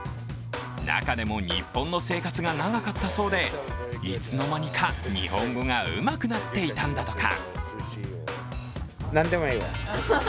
中でも日本の生活が長かったそうでいつの間にか日本語がうまくなっていたんだとか。